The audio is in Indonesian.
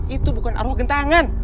itu bukan arwah gentangan